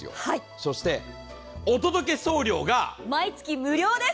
お届け送料が毎月無料です。